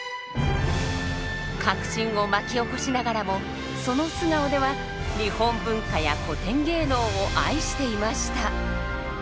革新を巻き起こしながらもその素顔では日本文化や古典芸能を愛していました。